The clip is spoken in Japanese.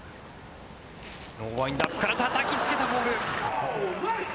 ノーワインドアップからたたきつけたボール。